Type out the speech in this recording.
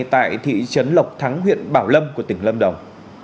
tại thị trấn lộc thắng huyện bảo lâm của tỉnh lâm đồng